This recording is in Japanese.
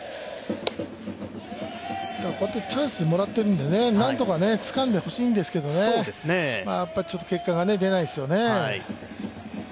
こうやってチャンスをもらっているので、何とかつかんでほしいんですけど、やっぱ、ちょっと結果が出ないですよね。